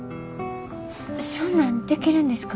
そんなんできるんですか？